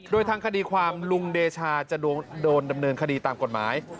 โดยทางคดีความลุงเดชาจะโดนดำเนินคดีตามกฎหมาย